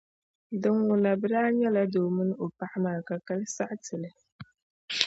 dinŋuna bɛ daa nyɛla doo mini o paɣa maa, ka kali saɣi ti li.